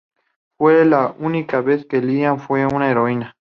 Fue la única vez que Lilah fue una heroína.